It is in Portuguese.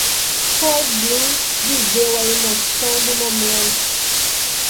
Cloud-Blue viveu a emoção do momento.